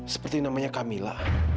seperti namanya kamila